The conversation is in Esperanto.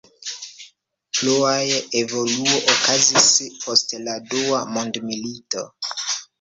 Plua evoluo okazis post la dua mondmilito.